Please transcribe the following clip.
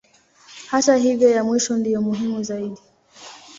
Hata hivyo ya mwisho ndiyo muhimu zaidi.